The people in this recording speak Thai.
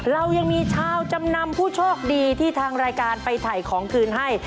เรายังมีชาวจำนำผู้โชคดีที่ทางรายการไปถ่ายของคืนให้